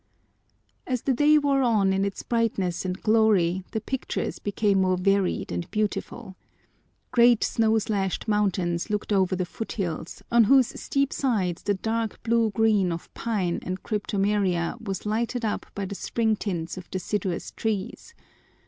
As the day wore on in its brightness and glory the pictures became more varied and beautiful. Great snow slashed mountains looked over the foothills, on whose steep sides the dark blue green of pine and cryptomeria was lighted up by the spring tints of deciduous trees.